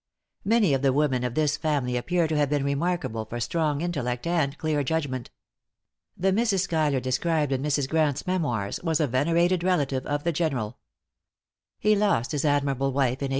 Many of the women of this family appear to have been remarkable for strong intellect and clear judgment. The Mrs. Schuyler described in Mrs. Grant's memoirs, was a venerated relative of the General. He lost his admirable wife in 1803.